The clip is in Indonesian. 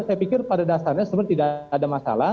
saya pikir pada dasarnya sebenarnya tidak ada masalah